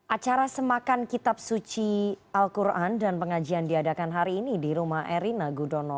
acara semakan kitab suci al quran dan pengajian diadakan hari ini di rumah erina gudono